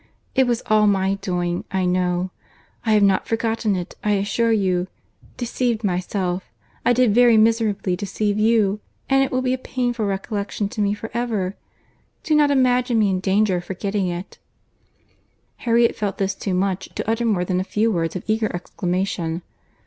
It was all my doing, I know. I have not forgotten it, I assure you.—Deceived myself, I did very miserably deceive you—and it will be a painful reflection to me for ever. Do not imagine me in danger of forgetting it." Harriet felt this too much to utter more than a few words of eager exclamation.